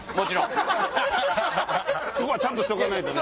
そこはちゃんとしとかないとね。